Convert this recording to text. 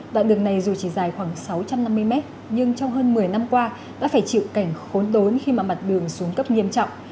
đoạn đường này dù chỉ dài khoảng sáu trăm năm mươi mét nhưng trong hơn một mươi năm qua đã phải chịu cảnh khốn đốn khi mà mặt đường xuống cấp nghiêm trọng